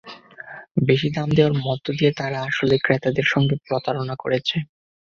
বেশি দাম নেওয়ার মধ্য দিয়ে তাঁরা আসলে ক্রেতাদের সঙ্গে প্রতারণা করছে।